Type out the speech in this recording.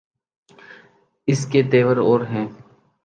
اس کے تیور اور ہیں۔